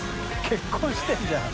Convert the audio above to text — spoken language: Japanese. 結婚してるじゃん。